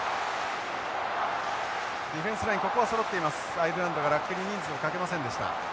アイルランドがラックに人数をかけませんでした。